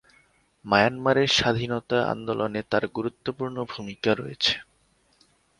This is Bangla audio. মায়ানমারের স্বাধীনতা আন্দোলনে তার গুরুত্বপূর্ণ ভূমিকা রয়েছে।